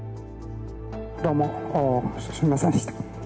どうもすみませんでした。